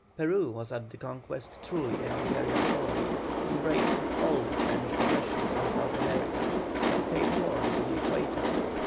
Peru was at the Conquest truly an imperial colony, embracing all the Spanish possessions in South America, from Cape Horn to the Equator.